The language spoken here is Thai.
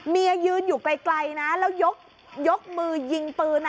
ยืนอยู่ไกลนะแล้วยกมือยิงปืน